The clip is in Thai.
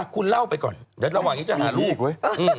คุณเล่าไปก่อนเดี๋ยวระหว่างนี้จะหาลูกเว้ย